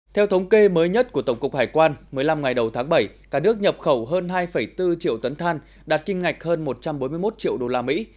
theo thống kê mới nhất của tổng cục hải quan một mươi năm ngày đầu tháng bảy cả nước nhập khẩu hơn hai bốn triệu tấn than đạt kim ngạch hơn một trăm bốn mươi một triệu đô la mỹ